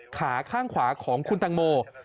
ขาข้างขวาของคุณตังโม